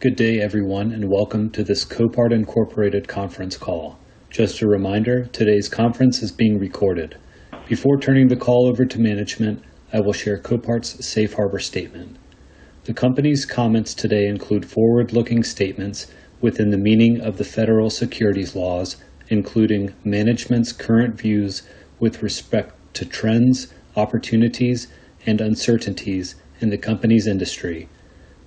Good day, everyone, and welcome to this Copart, Inc. conference call. Just a reminder, today's conference is being recorded. Before turning the call over to management, I will share Copart's Safe Harbor statement. The company's comments today include forward-looking statements within the meaning of the federal securities laws, including management's current views with respect to trends, opportunities, and uncertainties in the company's industry.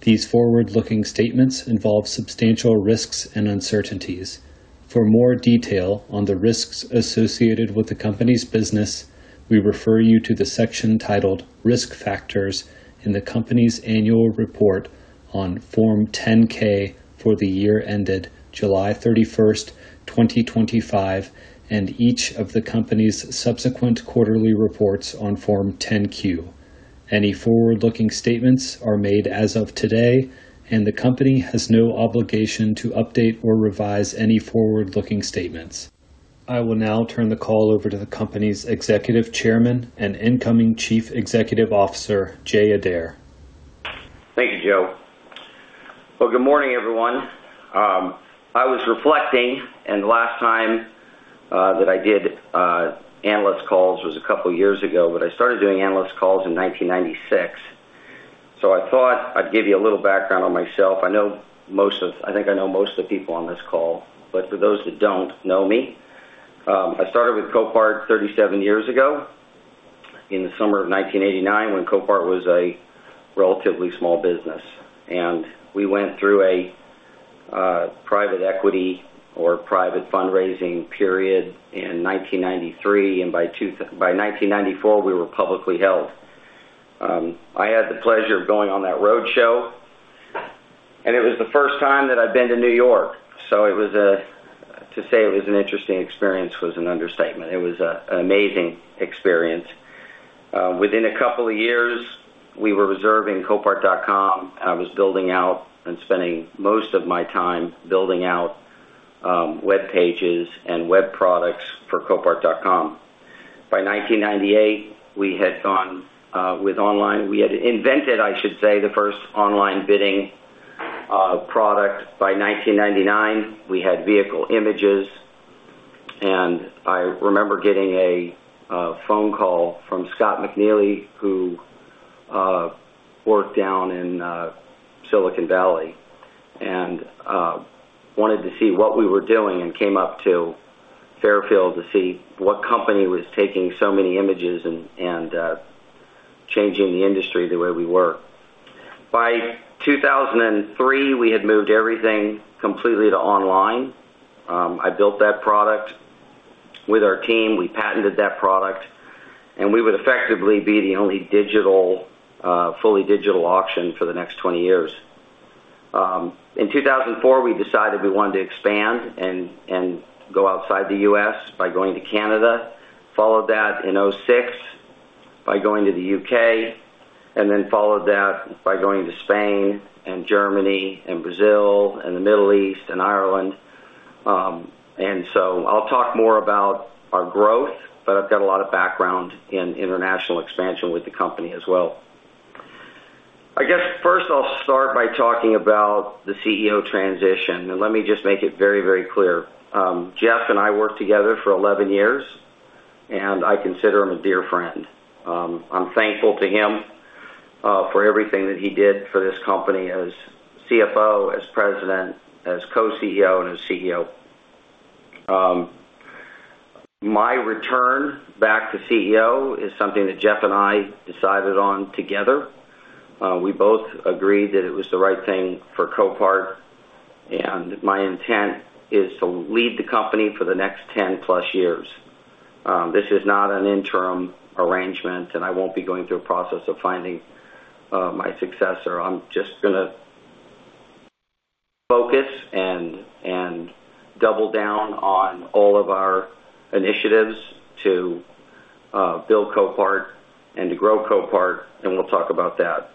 These forward-looking statements involve substantial risks and uncertainties. For more detail on the risks associated with the company's business, we refer you to the section titled Risk Factors in the company's annual report on Form 10-K for the year ended July 31st, 2025, and each of the company's subsequent quarterly reports on Form 10-Q. Any forward-looking statements are made as of today, and the company has no obligation to update or revise any forward-looking statements. I will now turn the call over to the company's Executive Chairman and incoming Chief Executive Officer, Jay Adair. Thank you, Joe. Well, good morning, everyone. I was reflecting, and the last time that I did analyst calls was a couple of years ago, but I started doing analyst calls in 1996. I thought I'd give you a little background on myself. I think I know most of the people on this call, but for those that don't know me, I started with Copart 37 years ago in the summer of 1989 when Copart was a relatively small business. We went through a private equity or private fundraising period in 1993, and by 1994, we were publicly held. I had the pleasure of going on that road show, and it was the first time that I'd been to New York. To say it was an interesting experience was an understatement. It was an amazing experience. Within a couple of years, we were reserving copart.com. I was building out and spending most of my time building out web pages and web products for copart.com. By 1998, we had gone with online. We had invented, I should say, the first online bidding product. By 1999, we had vehicle images, and I remember getting a phone call from Scott McNealy, who worked down in Silicon Valley and wanted to see what we were doing and came up to Fairfield to see what company was taking so many images and changing the industry the way we were. By 2003, we had moved everything completely to online. I built that product with our team. We patented that product, and we would effectively be the only fully digital auction for the next 20 years. In 2004, we decided we wanted to expand and go outside the U.S. by going to Canada, followed that in 2006 by going to the U.K., then followed that by going to Spain and Germany and Brazil and the Middle East and Ireland. I'll talk more about our growth, but I've got a lot of background in international expansion with the company as well. I guess first I'll start by talking about the CEO transition. Let me just make it very clear. Jeff and I worked together for 11 years, and I consider him a dear friend. I'm thankful to him for everything that he did for this company as CFO, as President, as co-CEO, and as CEO. My return back to CEO is something that Jeff and I decided on together. We both agreed that it was the right thing for Copart. My intent is to lead the company for the next 10+ years. This is not an interim arrangement. I won't be going through a process of finding my successor. I'm just going to focus and double down on all of our initiatives to build Copart and to grow Copart. We'll talk about that.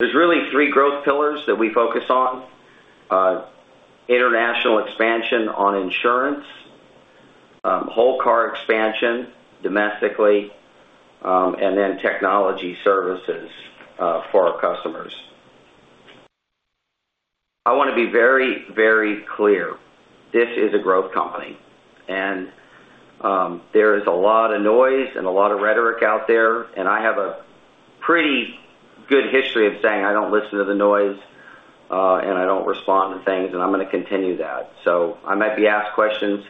There's really three growth pillars that we focus on: international expansion on insurance, whole car expansion domestically, then technology services for our customers. I want to be very clear. This is a growth company. There is a lot of noise and a lot of rhetoric out there. I have a pretty good history of saying I don't listen to the noise. I don't respond to things. I'm going to continue that. I might be asked questions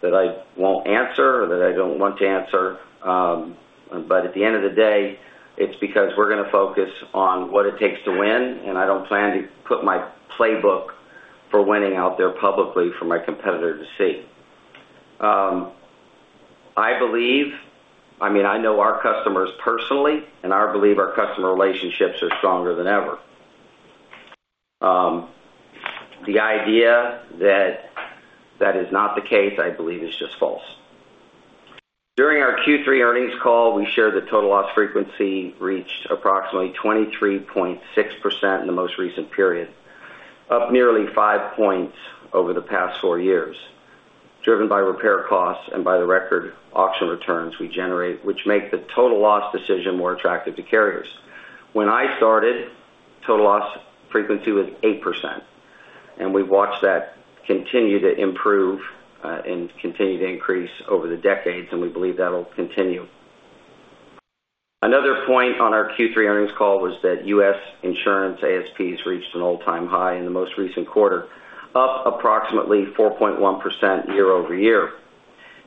that I won't answer or that I don't want to answer. At the end of the day, it's because we're going to focus on what it takes to win. I don't plan to put my playbook for winning out there publicly for my competitor to see. I know our customers personally. I believe our customer relationships are stronger than ever. The idea that that is not the case, I believe, is just false. During our Q3 earnings call, we shared that total loss frequency reached approximately 23.6% in the most recent period, up nearly five points over the past four years. Driven by repair costs and by the record auction returns we generate, which make the total loss decision more attractive to carriers. When I started, total loss frequency was 8%. We've watched that continue to improve and continue to increase over the decades. We believe that'll continue. Another point on our Q3 earnings call was that U.S. insurance ASPs reached an all-time high in the most recent quarter, up approximately 4.1% year-over-year.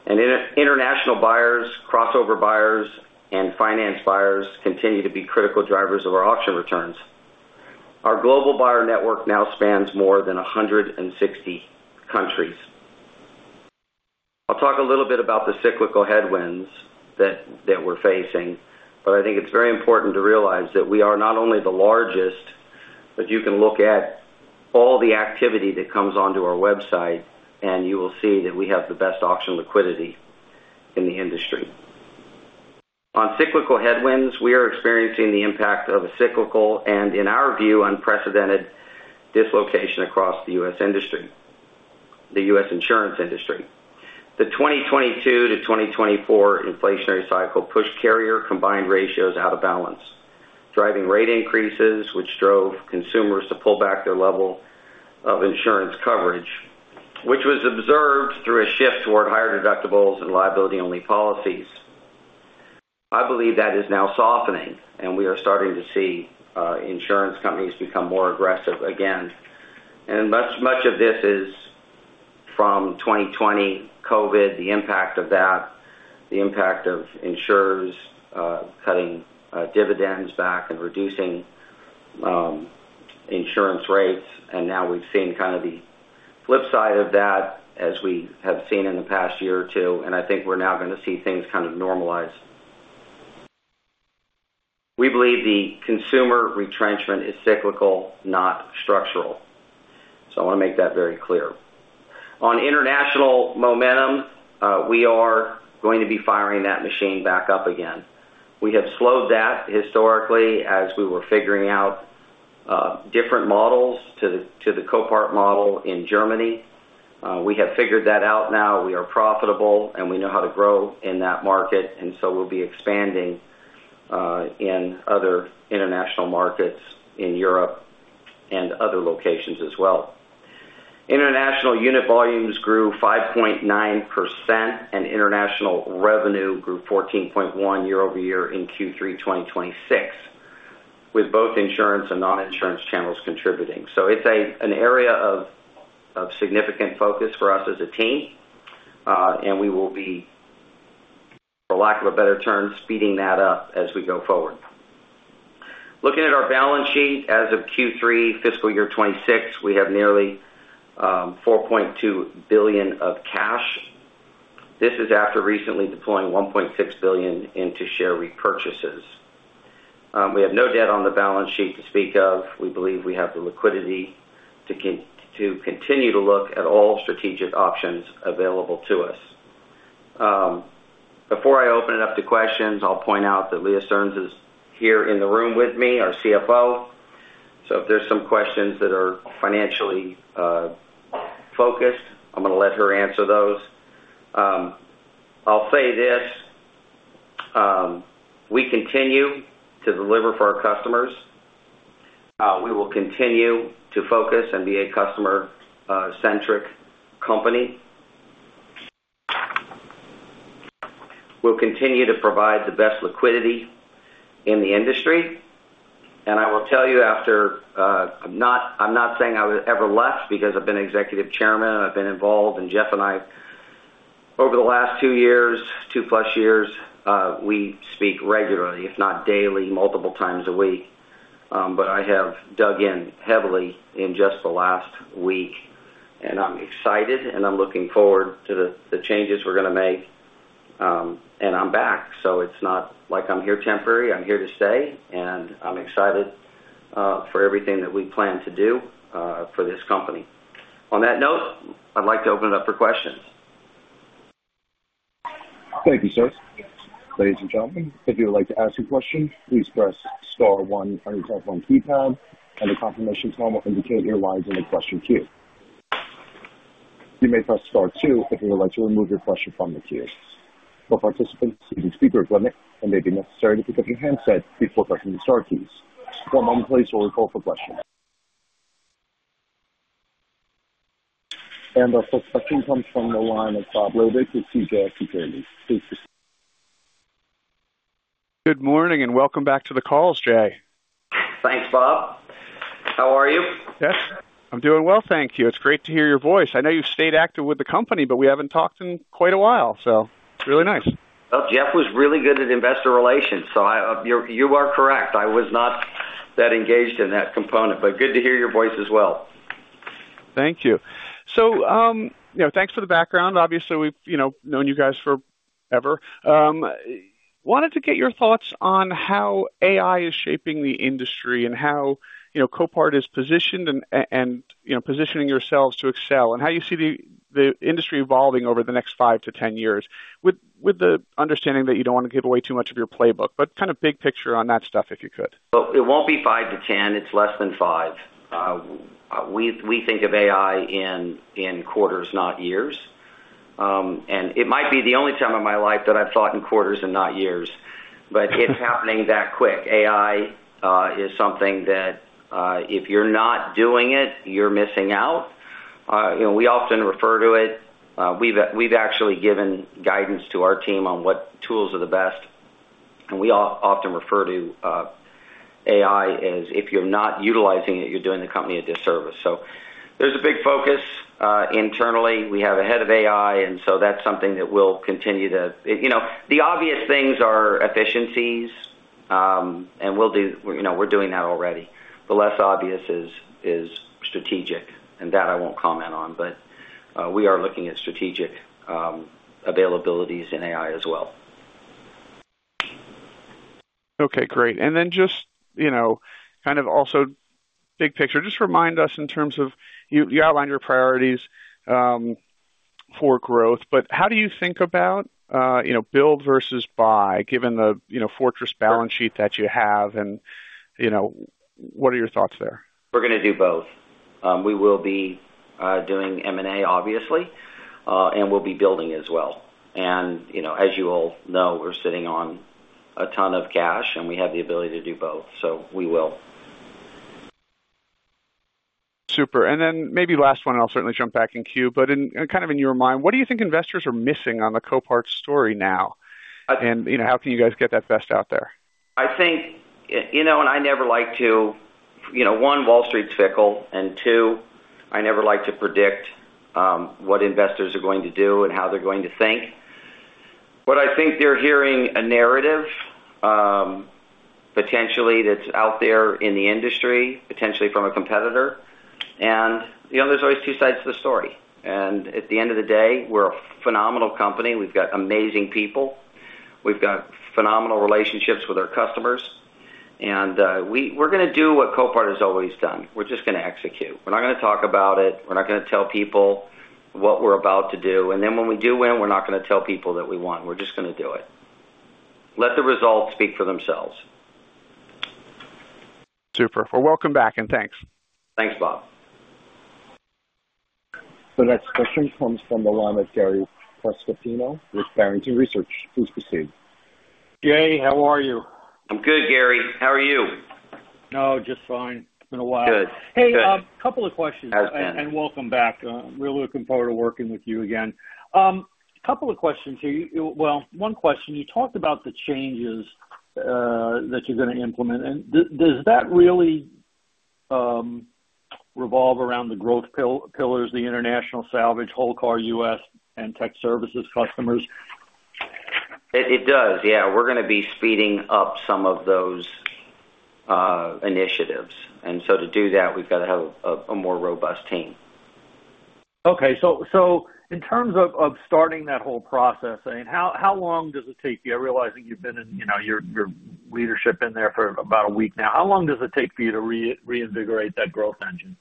International buyers, crossover buyers, and finance buyers continue to be critical drivers of our auction returns. Our global buyer network now spans more than 160 countries. I'll talk a little bit about the cyclical headwinds that we're facing. I think it's very important to realize that we are not only the largest, you can look at all the activity that comes onto our website, and you will see that we have the best auction liquidity in the industry. On cyclical headwinds, we are experiencing the impact of a cyclical and, in our view, unprecedented dislocation across the U.S. insurance industry. The 2022 to 2024 inflationary cycle pushed carrier combined ratios out of balance, driving rate increases, which drove consumers to pull back their level of insurance coverage, which was observed through a shift toward higher deductibles and liability-only policies. I believe that is now softening, we are starting to see insurance companies become more aggressive again. Much of this is from 2020 COVID, the impact of that, the impact of insurers cutting dividends back and reducing insurance rates. Now we've seen kind of the flip side of that as we have seen in the past year or two, I think we're now going to see things kind of normalize. We believe the consumer retrenchment is cyclical, not structural. I want to make that very clear. On international momentum, we are going to be firing that machine back up again. We have slowed that historically as we were figuring out different models to the Copart model in Germany. We have figured that out now. We are profitable, and we know how to grow in that market, and so we'll be expanding in other international markets in Europe and other locations as well. International unit volumes grew 5.9%, and international revenue grew 14.1% year-over-year in Q3 2026, with both insurance and non-insurance channels contributing. It's an area of significant focus for us as a team, and we will be, for lack of a better term, speeding that up as we go forward. Looking at our balance sheet as of Q3 fiscal year 2026, we have nearly $4.2 billion of cash. This is after recently deploying $1.6 billion into share repurchases. We have no debt on the balance sheet to speak of. We believe we have the liquidity to continue to look at all strategic options available to us. Before I open it up to questions, I'll point out that Leah Stearns is here in the room with me, our CFO. If there's some questions that are financially focused, I'm going to let her answer those. I'll say this. We continue to deliver for our customers. We will continue to focus and be a customer-centric company. We'll continue to provide the best liquidity in the industry. I will tell you after, I'm not saying I ever left because I've been executive chairman, I've been involved, and Jeff and I, over the last two years, two plus years, we speak regularly, if not daily, multiple times a week. I have dug in heavily in just the last week, and I'm excited, and I'm looking forward to the changes we're going to make. I'm back, so it's not like I'm here temporary. I'm here to stay, and I'm excited for everything that we plan to do for this company. On that note, I'd like to open it up for questions. Thank you, sirs. Ladies and gentlemen, if you would like to ask a question, please press star one on your telephone keypad and a confirmation tone will indicate your line is in the question queue. You may press star two if you would like to remove your question from the queue. For participants using speakerphone, it may be necessary to pick up your handset before pressing the star keys. One moment please while we call for questions. Our first question comes from the line of Bob Labick with CJS Securities. Please proceed. Good morning and welcome back to the calls, Jay. Thanks, Bob. How are you? Yes, I'm doing well, thank you. It's great to hear your voice. I know you've stayed active with the company, but we haven't talked in quite a while, so it's really nice. Jeff was really good at investor relations, so you are correct. I was not that engaged in that component, but good to hear your voice as well. Thank you. Thanks for the background. Obviously, we've known you guys forever. Wanted to get your thoughts on how AI is shaping the industry and how Copart is positioned and positioning yourselves to excel and how you see the industry evolving over the next 5-10 years, with the understanding that you don't want to give away too much of your playbook. Kind of big picture on that stuff, if you could. It won't be 5-10. It's less than five. We think of AI in quarters, not years. It might be the only time in my life that I've thought in quarters and not years, but it's happening that quick. AI is something that if you're not doing it, you're missing out. We often refer to it. We've actually given guidance to our team on what tools are the best, and we often refer to AI as if you're not utilizing it, you're doing the company a disservice. There's a big focus internally. We have a head of AI. The obvious things are efficiencies, and we're doing that already. The less obvious is strategic, and that I won't comment on, but we are looking at strategic availabilities in AI as well. Okay, great. Just kind of also big picture, just remind us in terms of, you outlined your priorities for growth, but how do you think about build versus buy, given the fortress balance sheet that you have, and what are your thoughts there? We're going to do both. We will be doing M&A obviously, and we'll be building as well. As you all know, we're sitting on a ton of cash, and we have the ability to do both. We will. Super. Maybe last one, I'll certainly jump back in queue, but kind of in your mind, what do you think investors are missing on the Copart story now? How can you guys get that best out there? I think, one, Wall Street's fickle, two, I never like to predict what investors are going to do and how they're going to think. I think they're hearing a narrative, potentially that's out there in the industry, potentially from a competitor. There's always two sides to the story. At the end of the day, we're a phenomenal company. We've got amazing people. We've got phenomenal relationships with our customers. We're going to do what Copart has always done. We're just going to execute. We're not going to talk about it. We're not going to tell people what we're about to do. When we do win, we're not going to tell people that we won. We're just going to do it. Let the results speak for themselves. Super. Well, welcome back, and thanks. Thanks, Bob. The next question comes from the line of Gary Prestopino with Barrington Research. Please proceed. Jay, how are you? I'm good, Gary. How are you? Oh, just fine. It's been a while. Good. Hey, a couple of questions. How's it been? Welcome back. Really looking forward to working with you again. A couple of questions here. Well, one question, you talked about the changes that you're going to implement. Does that really revolve around the growth pillars, the international salvage, whole car U.S., and tech services customers? It does, yeah. We're going to be speeding up some of those initiatives. To do that, we've got to have a more robust team. Okay. In terms of starting that whole process, how long does it take you? I realize that your leadership in there for about a week now. How long does it take for you to reinvigorate that growth engine?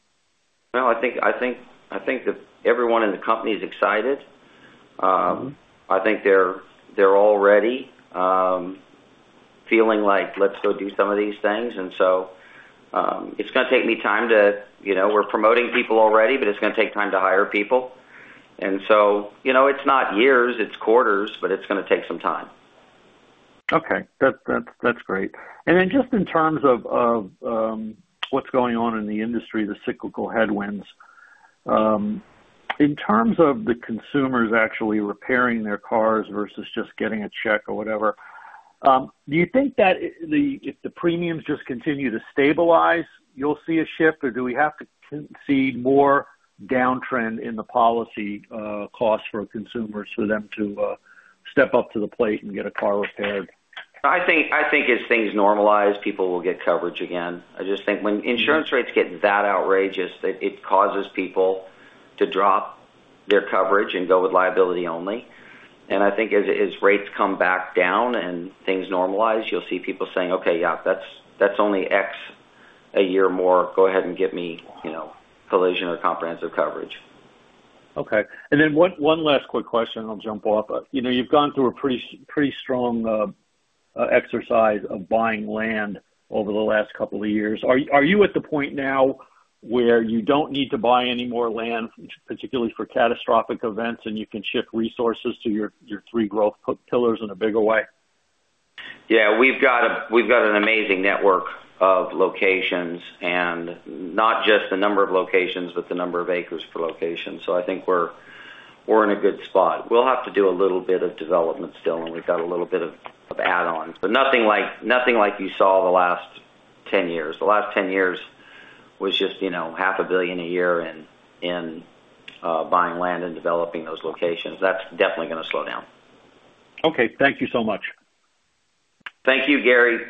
Well, I think that everyone in the company is excited. I think they're all ready, feeling like, "Let's go do some of these things." It's going to take me time. We're promoting people already, but it's going to take time to hire people. It's not years, it's quarters, but it's going to take some time. Okay. That's great. Just in terms of what's going on in the industry, the cyclical headwinds. In terms of the consumers actually repairing their cars versus just getting a check or whatever, do you think that if the premiums just continue to stabilize, you'll see a shift, or do we have to see more downtrend in the policy costs for consumers for them to step up to the plate and get a car repaired? I think as things normalize, people will get coverage again. I just think when insurance rates get that outrageous, it causes people to drop their coverage and go with liability only. I think as rates come back down and things normalize, you'll see people saying, "Okay, yeah, that's only X a year more. Go ahead and get me collision or comprehensive coverage. Okay. One last quick question, I'll jump off. You've gone through a pretty strong exercise of buying land over the last couple of years. Are you at the point now where you don't need to buy any more land, particularly for catastrophic events, and you can shift resources to your three growth pillars in a bigger way? Yeah, we've got an amazing network of locations, not just the number of locations, but the number of acres per location. I think we're in a good spot. We'll have to do a little bit of development still, we've got a little bit of add-ons, nothing like you saw the last 10 years. The last 10 years was just half a billion a year in buying land and developing those locations. That's definitely going to slow down. Okay. Thank you so much. Thank you, Gary.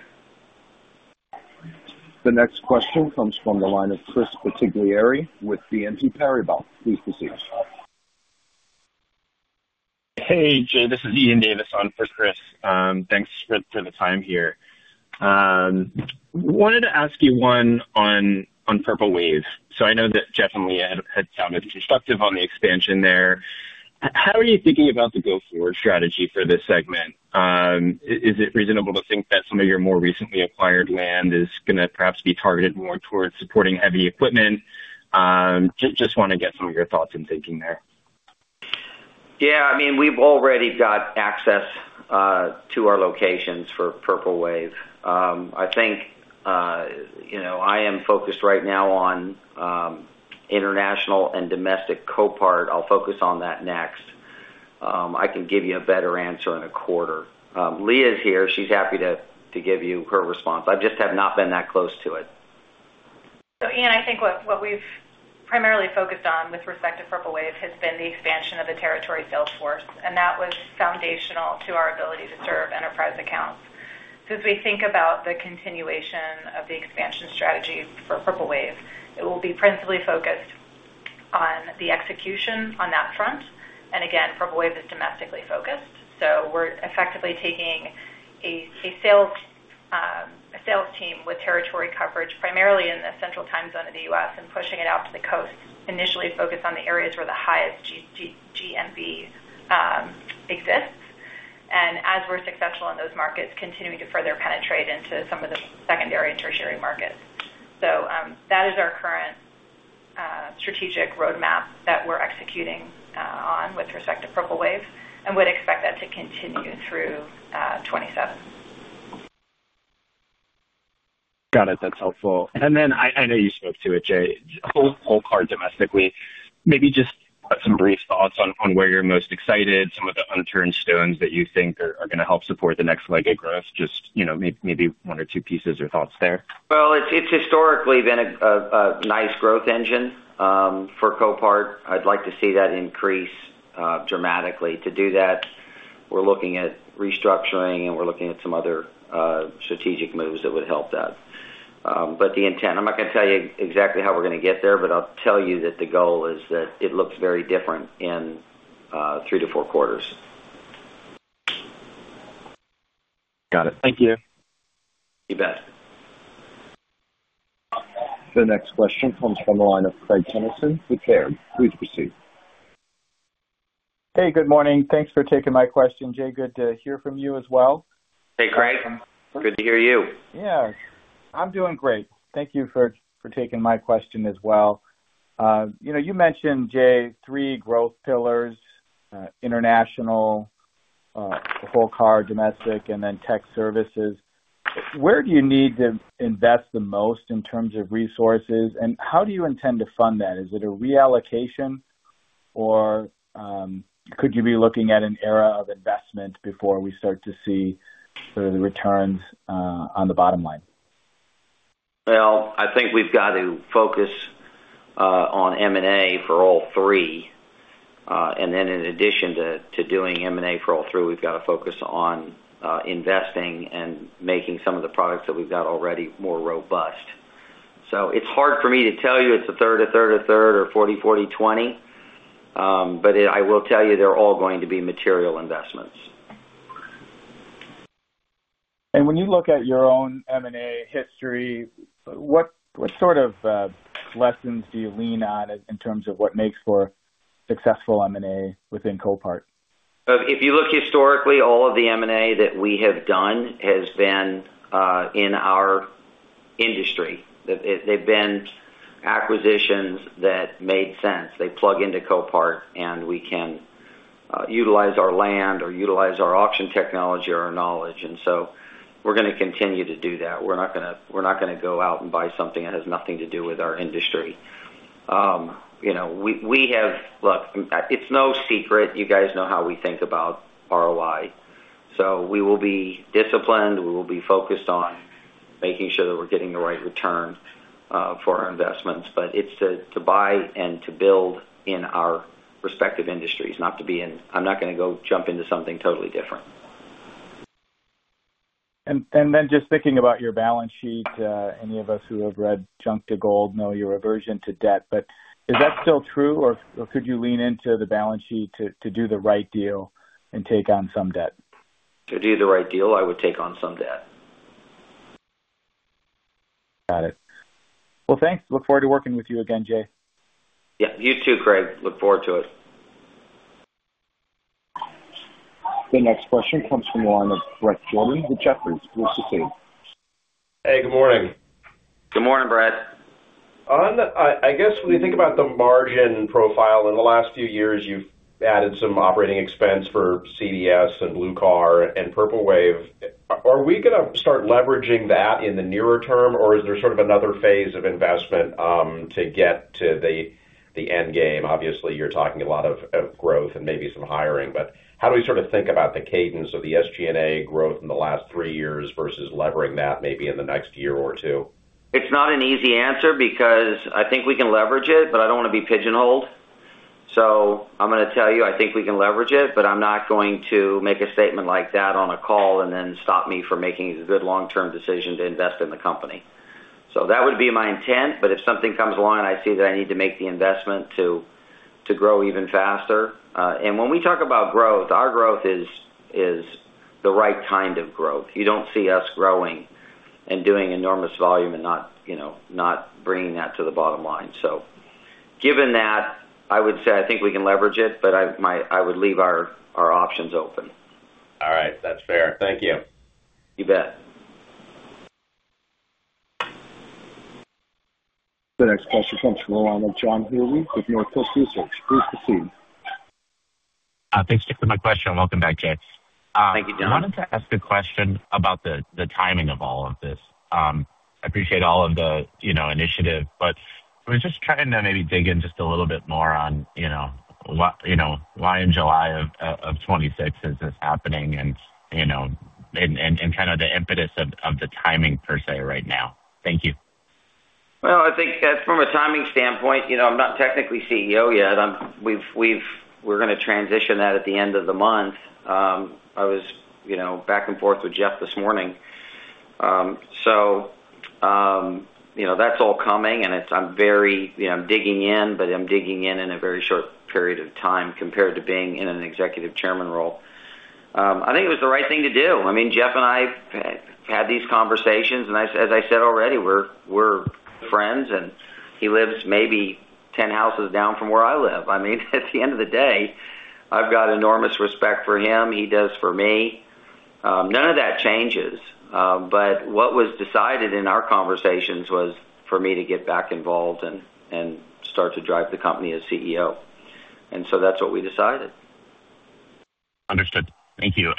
The next question comes from the line of Chris Bottiglieri with BNP Paribas. Please proceed. Hey, Jay. This is Ian Davis on for Chris. Thanks for the time here. Wanted to ask you one on Purple Wave. I know that Jeff and Leah had sounded constructive on the expansion there. How are you thinking about the go-forward strategy for this segment? Is it reasonable to think that some of your more recently acquired land is going to perhaps be targeted more towards supporting heavy equipment? Just want to get some of your thoughts and thinking there. Yeah, we've already got access to our locations for Purple Wave. I am focused right now on international and domestic Copart. I'll focus on that next. I can give you a better answer in a quarter. Leah's here. She's happy to give you her response. I just have not been that close to it. Ian, I think what we've primarily focused on with respect to Purple Wave has been the expansion of the territory sales force, and that was foundational to our ability to serve enterprise accounts. As we think about the continuation of the expansion strategy for Purple Wave, it will be principally focused on the execution on that front. Again, Purple Wave is domestically focused, we're effectively taking a sales team with territory coverage primarily in the Central Time Zone of the U.S., and pushing it out to the coast, initially focused on the areas where the highest GMP exists. As we're successful in those markets, continuing to further penetrate into some of the secondary and tertiary markets. That is our current strategic roadmap that we're executing on with respect to Purple Wave, and would expect that to continue through 2027. Got it. That's helpful. Then I know you spoke to it, Jay, whole Copart domestically, maybe just some brief thoughts on where you're most excited, some of the unturned stones that you think are going to help support the next leg of growth. Just maybe one or two pieces or thoughts there. Well, it's historically been a nice growth engine for Copart. I'd like to see that increase dramatically. To do that, we're looking at restructuring, and we're looking at some other strategic moves that would help that. I'm not going to tell you exactly how we're going to get there, but I'll tell you that the goal is that it looks very different in three to four quarters. Got it. Thank you. You bet. The next question comes from the line of Craig Kennison with Baird. Please proceed. Hey, good morning. Thanks for taking my question, Jay. Good to hear from you as well. Hey, Craig. Good to hear you. Yeah, I'm doing great. Thank you for taking my question as well. You mentioned, Jay, three growth pillars, international, whole car domestic, and then tech services. Where do you need to invest the most in terms of resources, and how do you intend to fund that? Is it a reallocation, or could you be looking at an era of investment before we start to see sort of the returns on the bottom line? Well, I think we've got to focus on M&A for all three. In addition to doing M&A for all three, we've got to focus on investing and making some of the products that we've got already more robust. It's hard for me to tell you it's a third, a third, a third, or 40, 40, 20. I will tell you they're all going to be material investments. When you look at your own M&A history, what sort of lessons do you lean on in terms of what makes for successful M&A within Copart? If you look historically, all of the M&A that we have done has been in our industry. They've been acquisitions that made sense. They plug into Copart, and we can utilize our land or utilize our auction technology or our knowledge, we're going to continue to do that. We're not going to go out and buy something that has nothing to do with our industry. Look, it's no secret, you guys know how we think about ROI. We will be disciplined. We will be focused on making sure that we're getting the right return for our investments, it's to buy and to build in our respective industries, I'm not going to go jump into something totally different. Just thinking about your balance sheet, any of us who have read "Junk to Gold" know your aversion to debt, but is that still true, or could you lean into the balance sheet to do the right deal and take on some debt? To do the right deal, I would take on some debt. Got it. Well, thanks. Look forward to working with you again, Jay. Yeah, you too, Craig. Look forward to it. The next question comes from the line of Bret Jordan with Jefferies. Please proceed. Hey, good morning. Good morning, Bret. I guess when you think about the margin profile, in the last few years, you've added some operating expense for CDS and BluCar and Purple Wave. Are we going to start leveraging that in the nearer term, or is there sort of another phase of investment to get to the end game? Obviously, you're talking a lot of growth and maybe some hiring, but how do we sort of think about the cadence of the SG&A growth in the last three years versus levering that maybe in the next year or two? It's not an easy answer because I think we can leverage it, but I don't want to be pigeonholed. I'm going to tell you, I think we can leverage it, but I'm not going to make a statement like that on a call stop me from making a good long-term decision to invest in the company. That would be my intent, but if something comes along and I see that I need to make the investment to grow even faster. When we talk about growth, our growth is the right kind of growth. You don't see us growing and doing enormous volume and not bringing that to the bottom line. Given that, I would say I think we can leverage it, but I would leave our options open. All right. That's fair. Thank you. You bet. The next question comes from the line of John Healy with Northcoast Research. Please proceed. Thanks. Stick to my question. Welcome back, Jay. Thank you, John. I wanted to ask a question about the timing of all of this. I appreciate all of the initiative, but I was just trying to maybe dig in just a little bit more on why in July of 2026 is this happening and the impetus of the timing per se right now. Thank you. Well, I think from a timing standpoint, I'm not technically CEO yet. We're going to transition that at the end of the month. I was back and forth with Jeff this morning. That's all coming, and I'm digging in, but I'm digging in in a very short period of time compared to being in an executive chairman role. I think it was the right thing to do. Jeff and I had these conversations, and as I said already, we're friends, and he lives maybe 10 houses down from where I live. At the end of the day, I've got enormous respect for him. He does for me. None of that changes. What was decided in our conversations was for me to get back involved and start to drive the company as CEO. That's what we decided. Understood. Thank you.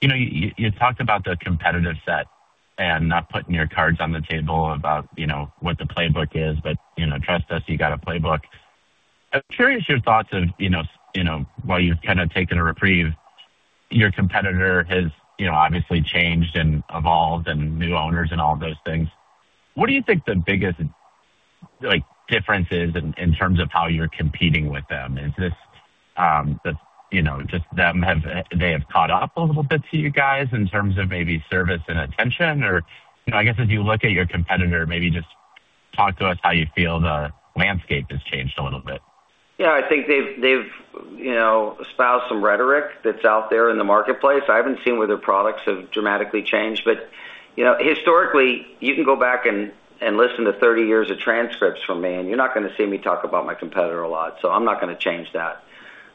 You talked about the competitive set and not putting your cards on the table about what the playbook is, but trust us, you got a playbook. I'm curious your thoughts of while you've kind of taken a reprieve, your competitor has obviously changed and evolved and new owners and all those things. What do you think the biggest difference is in terms of how you're competing with them? Is this just them, they have caught up a little bit to you guys in terms of maybe service and attention? Or I guess as you look at your competitor, maybe just talk to us how you feel the landscape has changed a little bit. Yeah, I think they've espoused some rhetoric that's out there in the marketplace. I haven't seen where their products have dramatically changed. Historically, you can go back and listen to 30 years of transcripts from me, and you're not going to see me talk about my competitor a lot. I'm not going to change that.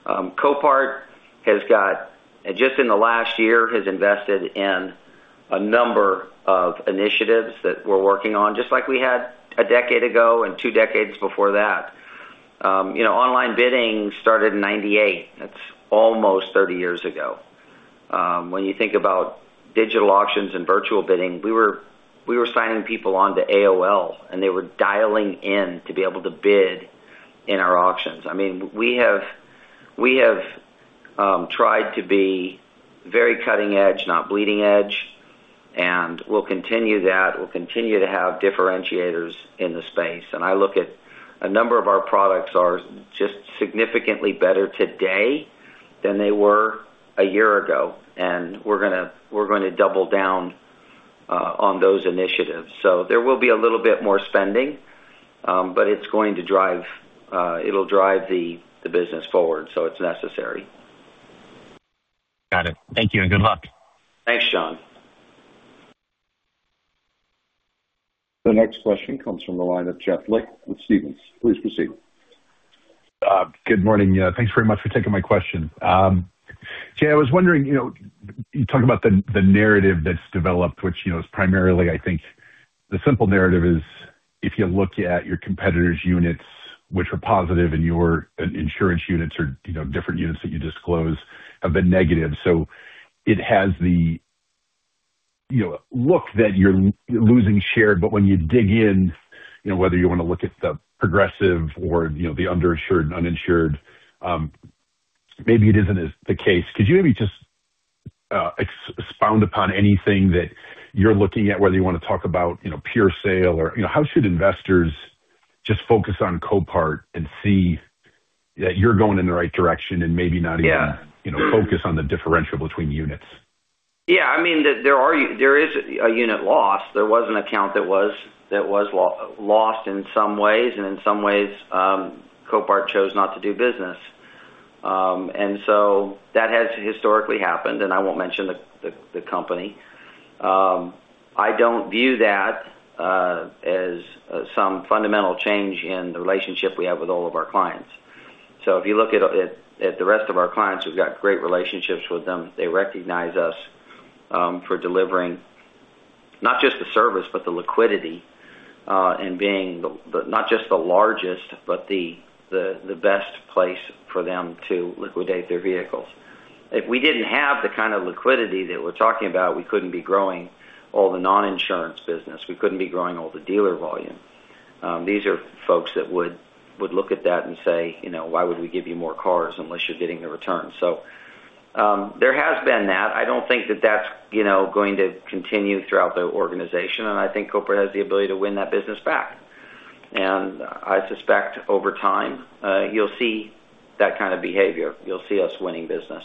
Copart, just in the last year, has invested in a number of initiatives that we're working on, just like we had a decade ago and two decades before that. Online bidding started in 1998. That's almost 30 years ago. When you think about digital auctions and virtual bidding, we were signing people onto AOL, and they were dialing in to be able to bid in our auctions. We have tried to be very cutting edge, not bleeding edge, and we'll continue that. We'll continue to have differentiators in the space. I look at a number of our products are just significantly better today than they were a year ago, and we're going to double down on those initiatives. There will be a little bit more spending, but it'll drive the business forward, so it's necessary. Got it. Thank you and good luck. Thanks, John. The next question comes from the line of Jeff Lick with Stephens. Please proceed. Good morning. Thanks very much for taking my question. Jay, I was wondering, you talk about the narrative that's developed, which is primarily, I think the simple narrative is if you look at your competitor's units which are positive and your insurance units or different units that you disclose have been negative. It has the look that you're losing share. When you dig in, whether you want to look at the Progressive or the underinsured and uninsured, maybe it isn't the case. Could you maybe just expound upon anything that you're looking at, whether you want to talk about Pure Sale or how should investors just focus on Copart and see that you're going in the right direction and maybe not even- Yeah. Focus on the differential between units? Yeah, there is a unit loss. There was an account that was lost in some ways, and in some ways, Copart chose not to do business. That has historically happened, and I won't mention the company. I don't view that as some fundamental change in the relationship we have with all of our clients. If you look at the rest of our clients, we've got great relationships with them. They recognize us for delivering not just the service, but the liquidity, and being not just the largest, but the best place for them to liquidate their vehicles. If we didn't have the kind of liquidity that we're talking about, we couldn't be growing all the non-insurance business. We couldn't be growing all the dealer volume. These are folks that would look at that and say, "Why would we give you more cars unless you're getting the return?" There has been that. I don't think that that's going to continue throughout the organization, and I think Copart has the ability to win that business back. I suspect over time, you'll see that kind of behavior. You'll see us winning business.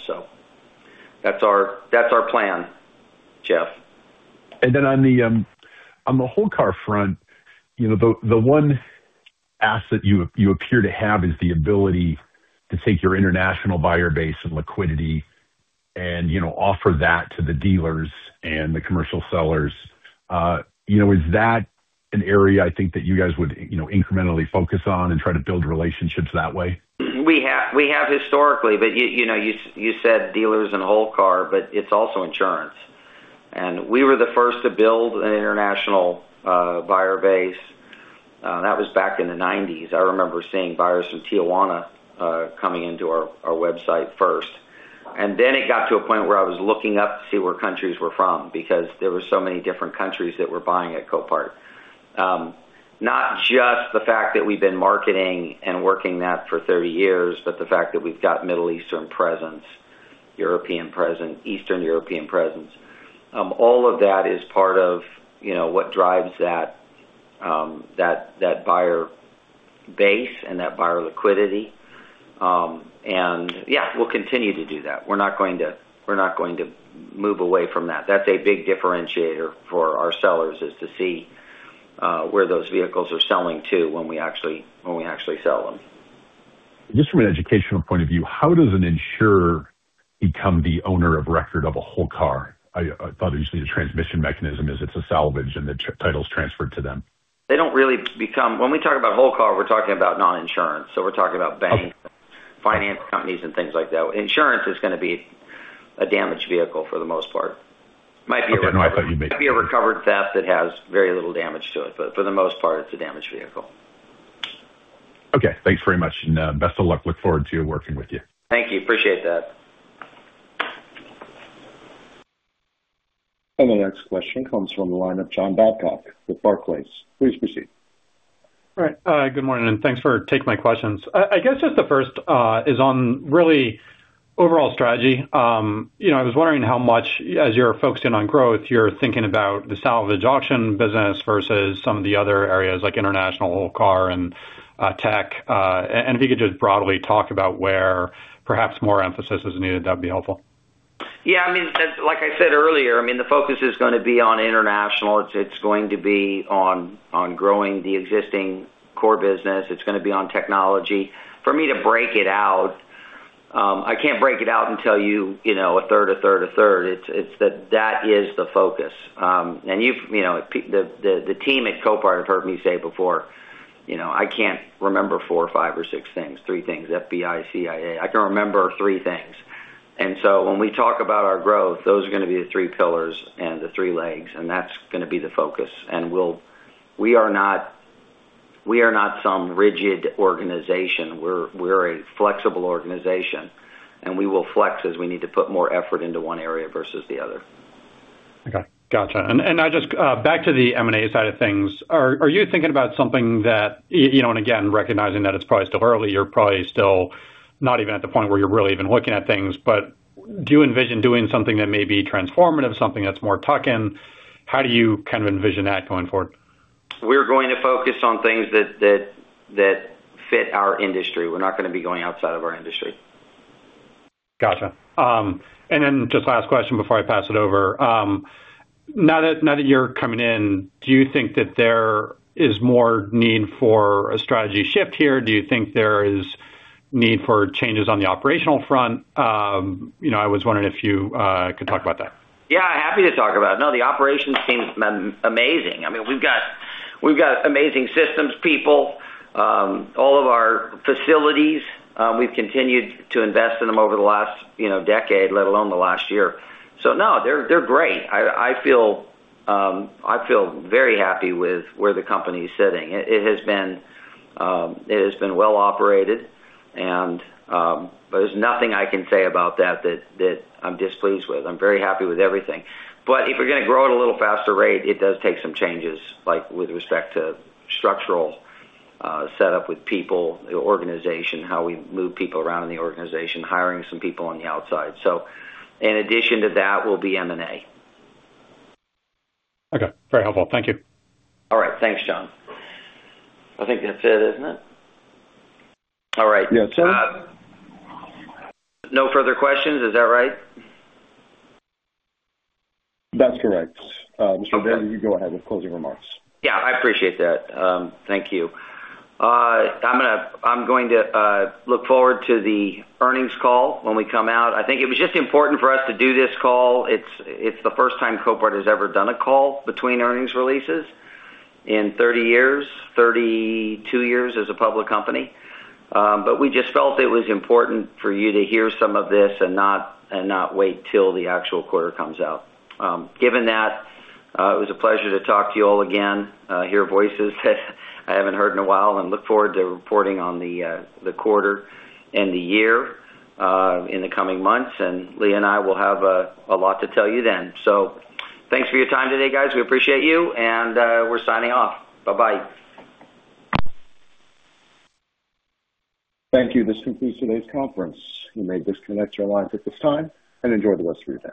That's our plan, Jeff. On the whole car front, the one asset you appear to have is the ability to take your international buyer base and liquidity and offer that to the dealers and the commercial sellers. Is that an area I think that you guys would incrementally focus on and try to build relationships that way? We have historically, but you said dealers and whole car, but it's also insurance. We were the first to build an international buyer base. That was back in the '90s. I remember seeing buyers from Tijuana coming into our website first. Then it got to a point where I was looking up to see where countries were from, because there were so many different countries that were buying at Copart. Not just the fact that we've been marketing and working that for 30 years, but the fact that we've got Middle Eastern presence, European presence, Eastern European presence. All of that is part of what drives that buyer base and that buyer liquidity. Yeah, we'll continue to do that. We're not going to move away from that. That's a big differentiator for our sellers, is to see where those vehicles are selling to when we actually sell them. From an educational point of view, how does an insurer become the owner of record of a whole car? I thought it was usually the transmission mechanism is it's a salvage and the title's transferred to them. When we talk about whole car, we're talking about non-insurance. We're talking about banks, finance companies, and things like that. Insurance is going to be a damaged vehicle for the most part. Okay. Might be a recovered theft that has very little damage to it. For the most part, it's a damaged vehicle. Okay. Thanks very much, and best of luck. Look forward to working with you. Thank you. Appreciate that. The next question comes from the line of John Babcock with Barclays. Please proceed. All right. Good morning, and thanks for taking my questions. I guess just the first is on really overall strategy. I was wondering how much, as you're focusing on growth, you're thinking about the salvage auction business versus some of the other areas, like international, whole car, and tech. If you could just broadly talk about where perhaps more emphasis is needed, that'd be helpful. Yeah. Like I said earlier, the focus is going to be on international. It's going to be on growing the existing core business. It's going to be on technology. For me to break it out, I can't break it out and tell you a third, a third, a third. That is the focus. The team at Copart have heard me say before, I can't remember four, five, or six things, three things, FBI, CIA. I can remember three things. When we talk about our growth, those are going to be the three pillars and the three legs, and that's going to be the focus. We are not some rigid organization. We're a flexible organization, and we will flex as we need to put more effort into one area versus the other. Okay. Got you. Just back to the M&A side of things, are you thinking about something that, and again, recognizing that it's probably still early, you're probably still not even at the point where you're really even looking at things, but do you envision doing something that may be transformative, something that's more tuck-in? How do you kind of envision that going forward? We're going to focus on things that fit our industry. We're not going to be going outside of our industry. Got you. Just last question before I pass it over. Now that you're coming in, do you think that there is more need for a strategy shift here? Do you think there is need for changes on the operational front? I was wondering if you could talk about that. Yeah, happy to talk about it. No, the operations team's amazing. We've got amazing systems people. All of our facilities, we've continued to invest in them over the last decade, let alone the last year. No, they're great. I feel very happy with where the company is sitting. It has been well-operated, but there's nothing I can say about that that I'm displeased with. I'm very happy with everything. If we're going to grow at a little faster rate, it does take some changes, like with respect to structural set up with people, the organization, how we move people around in the organization, hiring some people on the outside. In addition to that will be M&A. Okay. Very helpful. Thank you. All right. Thanks, John. I think that's it, isn't it? All right. Yes, sir. No further questions, is that right? That's correct. Mr. Adair- Okay. You go ahead with closing remarks. Yeah, I appreciate that. Thank you. I'm going to look forward to the earnings call when we come out. I think it was just important for us to do this call. It's the first time Copart has ever done a call between earnings releases in 30 years, 32 years as a public company. We just felt it was important for you to hear some of this and not wait till the actual quarter comes out. Given that, it was a pleasure to talk to you all again, hear voices I haven't heard in a while, and look forward to reporting on the quarter and the year in the coming months. Leah and I will have a lot to tell you then. Thanks for your time today, guys. We appreciate you, and we're signing off. Bye-bye. Thank you. This concludes today's conference. You may disconnect your lines at this time, and enjoy the rest of your day.